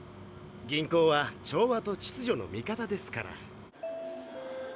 銀行は調和と秩序の味方ですから。